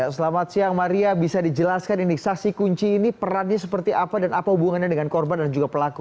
selamat siang maria bisa dijelaskan ini saksi kunci ini perannya seperti apa dan apa hubungannya dengan korban dan juga pelaku